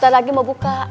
nanti lagi mau buka